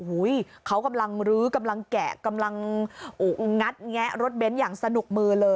เขากำลังลื้อกำลังแกะกำลังงัดแงะรถเบ้นอย่างสนุกมือเลย